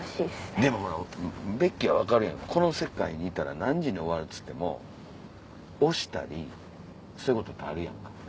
でもほらベッキーは分かるやんこの世界にいたら何時に終わるつっても押したりそういうことってあるやんか。